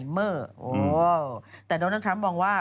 พี่ชอบแซงไหลทางอะเนาะ